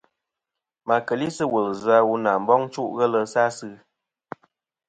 Ma keli sɨ wul vzɨ aleʼ a wu na boŋ chuʼ ghelɨ sa asɨ.